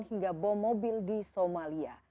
hingga bom mobil di somalia